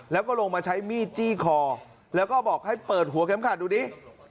แล้วก็ลงมาใช้มีดจี้คอแล้วก็บอกให้เปิดหัวเข็มขัดดูดิ